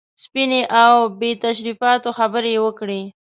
سپینې او بې تشریفاتو خبرې یې وکړې.